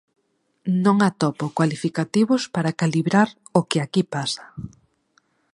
Non atopo cualificativos para calibrar o que aquí pasa.